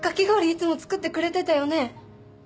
いつも作ってくれてたよね。